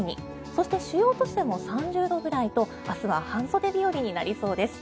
そして、主要都市でも３０度ぐらいと明日は半袖日和になりそうです。